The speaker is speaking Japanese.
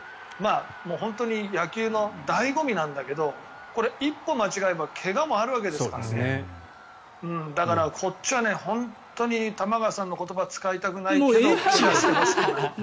本当に野球の醍醐味なんだけどこれ、一歩間違えれば怪我もあるわけですからねだからこっちは本当に玉川さんの言葉を使いたくないけど。